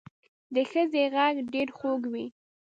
د ښځې غږ ډېر خوږ وي